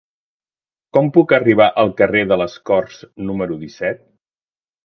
Com puc arribar al carrer de les Corts número disset?